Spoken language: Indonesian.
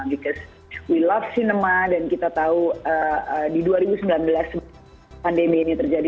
karena kami suka sinema dan kita tahu di dua ribu sembilan belas pandemi ini terjadi